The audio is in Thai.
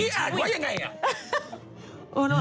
พี่อ่านว่ายังไง